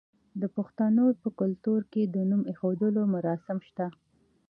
د پښتنو په کلتور کې د نوم ایښودلو مراسم شته.